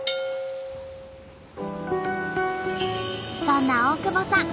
そんな大久保さん